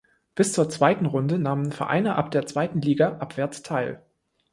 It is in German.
Bis zur zweiten Runde nahmen Vereine ab der zweiten Liga abwärts teil.